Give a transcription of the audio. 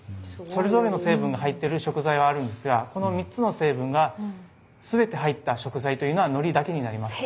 それぞれの成分が入ってる食材はあるんですがこの３つの成分が全て入った食材というのはのりだけになります。